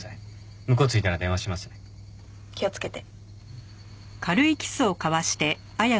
気をつけて。